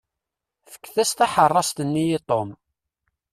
Efk-as taḥeṛṛast-nni i Ṭom.